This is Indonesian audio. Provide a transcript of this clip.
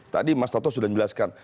tadi mas toto sudah menjelaskan